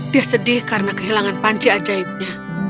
dia sedih karena kehilangan panci ajaibnya